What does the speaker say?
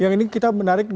yang ini kita menarik